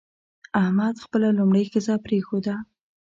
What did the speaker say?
احمد خپله لومړۍ ښځه پرېښوده.